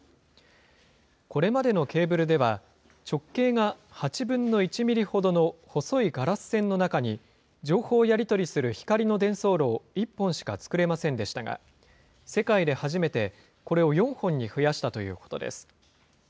これまでのケーブルでは、直径が８分の１ミリほどの細いガラス線の中に、情報をやり取りする光の伝送路を１本しか作れませんでしたが、世界で初めて、これを４本に増やしたということです。